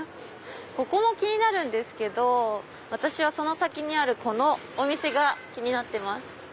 ここも気になるんですけど私はその先にあるこのお店が気になってます。